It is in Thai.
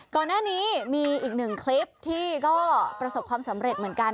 ก่อนหน้านี้มีอีกหนึ่งคลิปที่ก็ประสบความสำเร็จเหมือนกัน